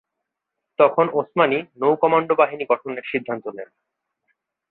তখন ওসমানী নৌ-কমান্ডো বাহিনী গঠনের সিদ্ধান্ত নেন।